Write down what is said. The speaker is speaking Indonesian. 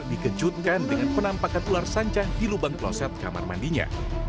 dikejutkan dengan penampakan ular sancah di lubang kloset kamar mandinya